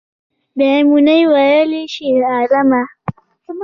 میمونۍ ویلې شیرعالمه